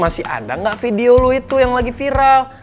masih ada gak video lo itu yang lagi viral